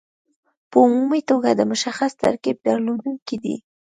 په عمومي توګه د مشخص ترکیب درلودونکي دي.